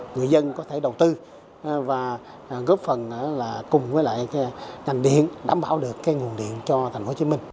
người dân có thể đầu tư và góp phần cùng với lại ngành điện đảm bảo được nguồn điện cho thành phố hồ chí minh